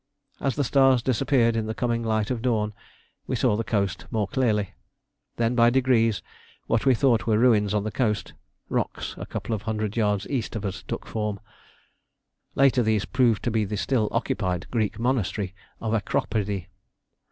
As the stars disappeared in the coming light of dawn, we saw the coast more clearly. Then by degrees what we thought were ruins on the coast, rocks a couple of hundred yards east of us took form; later these proved to be the still occupied Greek monastery of Acropedi.